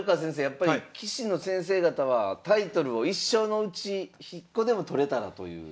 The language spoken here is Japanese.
やっぱり棋士の先生方はタイトルを一生のうち１個でも取れたらという。